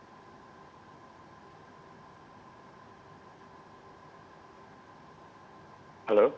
kalau kita bisa mencapai kepentingan apakah kita bisa mencapai kepentingan